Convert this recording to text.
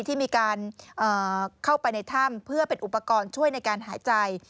ที่มีการเข้าไปในถ้ำเพื่อเป็นอุปกรณ์ช่วยในการหายใจ